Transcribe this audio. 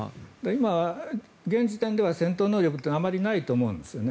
今、現時点では戦闘能力というのはあまりないと思うんですよね